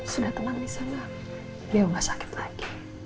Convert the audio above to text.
sudah tenang di sana dia tidak sakit lagi